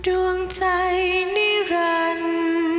ดวงใจนิรันดิ์